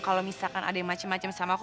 kalau misalkan ada yang macem macem sama aku